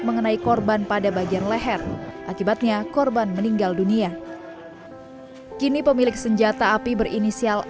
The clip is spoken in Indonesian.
mengenai korban pada bagian leher akibatnya korban meninggal dunia kini pemilik senjata api berinisial